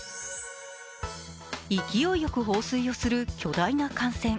勢いよく放水をする巨大な艦船。